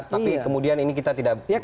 tapi kemudian ini kita tidak bisa biarkan ini